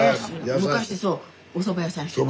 昔そうおそば屋さんしてたのよ。